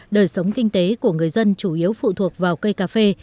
đời sống kinh tế của người dân chủ yếu phụ thuộc vào cây cà phê